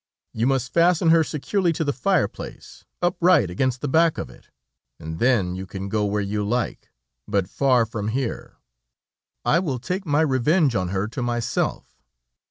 You must fasten her securely to the fireplace, upright against the back of it, and then you can go where you like, but far from here. I will take my revenge on her to myself.